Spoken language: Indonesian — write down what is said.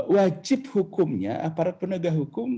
wajib hukumnya aparat penegak hukum